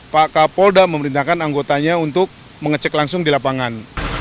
pak kapolda memerintahkan anggotanya untuk mengecek langsung di lapangan